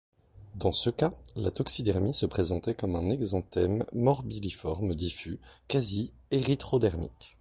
Dans ce cas, la toxidermie se présentait comme un exanthème morbiliforme diffus quasi-érythrodermique.